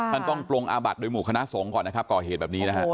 ท่านต้องปลงอาบัดโดยหมู่คณะสงฆ์ก่อนนะครับก่อเหตุแบบนี้นะฮะ